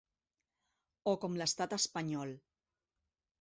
O com l’estat espanyol.